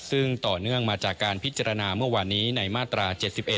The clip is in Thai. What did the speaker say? ซึ่งต่อเนื่องมาจากการพิจารณาเมื่อวานนี้ในมาตรา๗๑